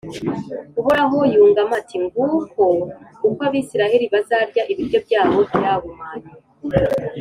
Uhoraho yungamo ati «Nguko uko Abayisraheli bazarya ibiryo byabo byahumanye